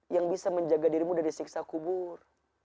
yang bisa menjaga dirimu dari siksa kubur